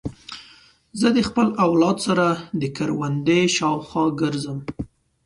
زه د خپل اولاد سره د کوروندې شاوخوا ګرځم.